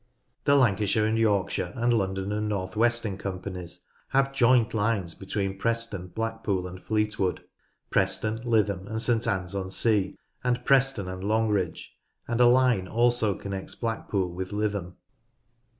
The Lancashire and Yorkshire and London and North M N. L. 10 146 NORTH LANCASHIRE Western companies have joint lines between Preston, Blackpool, and Fleetwood ; Preston, Lytham, and St Anne's on Sea ; and Preston and Longridge ; and a line also connects Blackpool with Lytham.